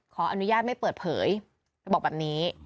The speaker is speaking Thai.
ขออนุญาตไม่เปิดเผยเธอบอกแบบนี้